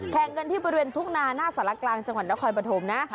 แข่งกันที่บริเวณทุ่งนาหน้าสารกลางจังหวัดนครปฐมนะ